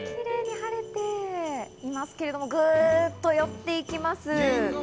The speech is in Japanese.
晴れていますけれどもぐっと寄っていきます。